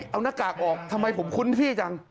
เอาหน้ากากออกทำไมผมคุ้นพี่จัง